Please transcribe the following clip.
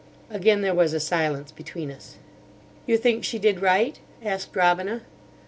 Again there was a silence between us. "You think she did right?" asked Robina.